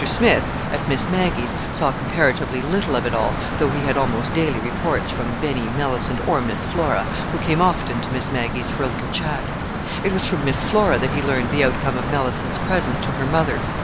Smith, at Miss Maggie's, saw comparatively little of it all, though he had almost daily reports from Benny, Mellicent, or Miss Flora, who came often to Miss Maggie's for a little chat. It was from Miss Flora that he learned the outcome of Mellicent's present to her mother.